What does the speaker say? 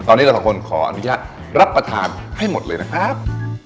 ตอนนี้เราสองคนขออนุญาตรับประทานให้หมดเลยนะครับ